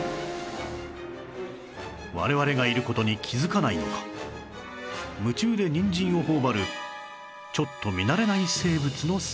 我々がいる事に気づかないのか夢中でニンジンを頬張るちょっと見慣れない生物の姿